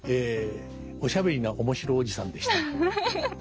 「おしゃべりな面白おじさん」でした。